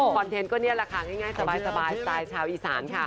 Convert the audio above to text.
เทนต์ก็นี่แหละค่ะง่ายสบายสไตล์ชาวอีสานค่ะ